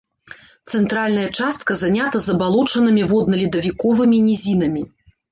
Цэнтральная частка занята забалочанымі водна-ледавіковымі нізінамі.